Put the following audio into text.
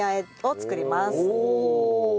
おお！